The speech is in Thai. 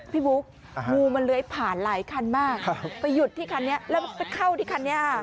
บุ๊กงูมันเลื้อยผ่านหลายคันมากไปหยุดที่คันนี้แล้วไปเข้าที่คันนี้ค่ะ